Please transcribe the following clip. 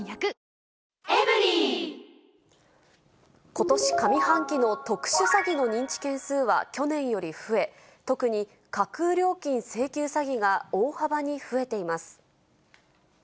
ことし上半期の特殊詐欺の認知件数は去年より増え、特に架空料金請求詐欺が大幅に増えています。